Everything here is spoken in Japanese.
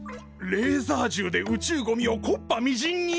レーザーじゅうで宇宙ゴミをこっぱみじんに！？